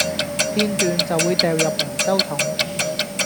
片段就會掉入回收桶